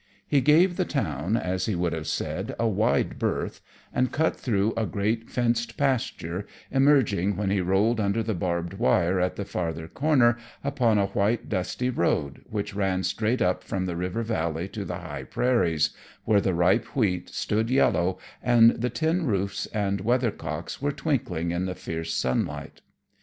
He gave the town, as he would have said, a wide berth, and cut through a great fenced pasture, emerging, when he rolled under the barbed wire at the farther corner, upon a white dusty road which ran straight up from the river valley to the high prairies, where the ripe wheat stood yellow and the tin roofs and weather cocks were twinkling in the fierce sunlight.